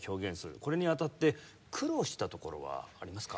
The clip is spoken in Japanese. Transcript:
これに当たって苦労したところはありますか？